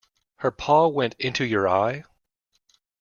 Her paw went into your eye?